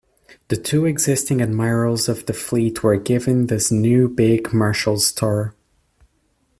The two existing admirals of the fleet were given this new 'big' marshal's star.